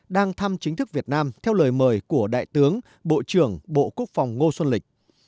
đang thăm chính thức việt nam theo lời mời của đại tướng bộ trưởng bộ quốc phòng ngô xuân lịch